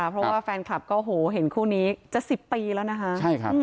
เพราะว่าแฟนคลับก็โหเห็นคู่นี้จะ๑๐ปีแล้วนะคะใช่ครับ